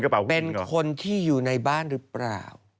เป็นคนที่อยู่ในบ้านหรือเปล่า